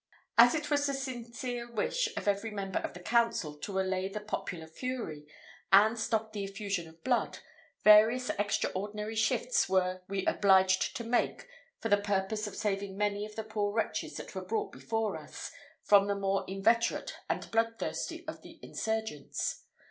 As it was the sincere wish of every member of the council to allay the popular fury, and stop the effusion of blood, various extraordinary shifts were we obliged to make for the purpose of saving many of the poor wretches that were brought before us, from the more inveterate and bloodthirsty of the insurgents.